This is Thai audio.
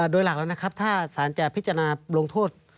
โดยหลักแล้วนะครับถ้าสารจะพิจารณาลงโทษ